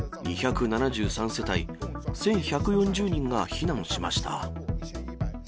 ２７３世帯１１４０人が避難しました。